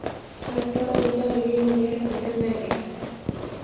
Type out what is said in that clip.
Hatto... o‘rtoq Leninga bildirmaydilar.